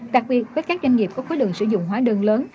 đặc biệt với các doanh nghiệp có khối lượng sử dụng hóa đơn lớn